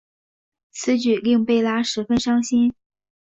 此举令贝拉十分伤心。